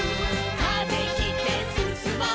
「風切ってすすもう」